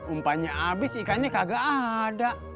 umpannya habis ikannya kagak ada